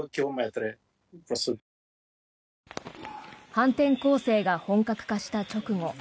反転攻勢が本格化した直後